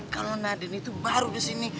kalau nadine itu baru di sini